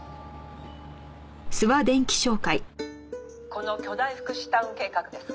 「この巨大福祉タウン計画ですが」